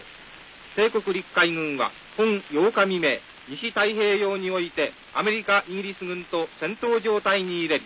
帝国陸海軍は本８日未明西太平洋においてアメリカイギリス軍と戦闘状態に入れり。